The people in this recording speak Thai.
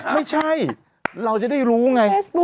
ไม่ใช่เราจะได้รู้ไง